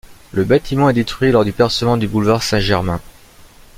Le bâtiment est détruit lors du percement du boulevard Saint-Germain.